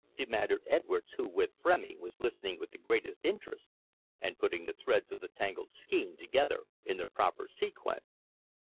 demanded Edwards who, with Frémy, was listening with the greatest interest and putting the threads of the tangled skein together in their proper sequence.